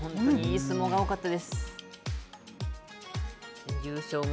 いい相撲が多かったです。